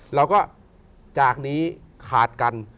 แล้วก็จากนี้ขาดกัน